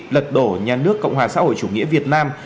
lật đổ nhà nước cộng hòa xã hội chủ nghĩa việt nam